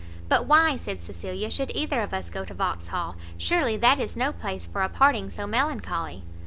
"But why," said Cecilia, "should either of us go to Vauxhall? surely that is no place for a parting so melancholy."